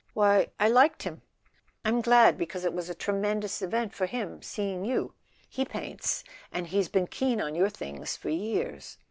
"Why—I liked him." "I'm glad, because it was a tremendous event for him, seeing you. He paints, and he's been keen on your things for years."